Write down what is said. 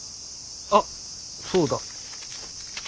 あっそうだ。